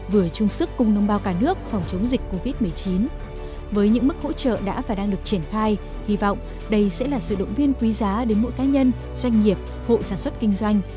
với những mức hỗ trợ đã và đang được triển khai hy vọng đây sẽ là sự động viên quý giá đến mỗi cá nhân doanh nghiệp hộ sản xuất kinh doanh